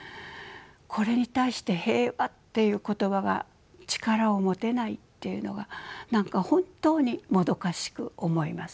これに対して平和っていう言葉が力を持てないっていうのが何か本当にもどかしく思います。